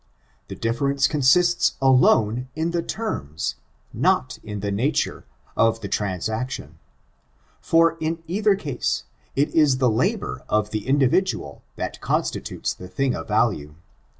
The difference consists alone in the terfns, not in the nature, of the transaction ; for, in either case, it is the labor of the individual that constitutes the thing of value.